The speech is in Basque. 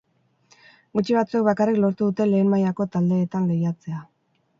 Gutxi batzuek bakarrik lortu dute lehen mailako taldeetan lehiatzea.